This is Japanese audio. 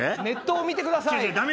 ネットを見てください。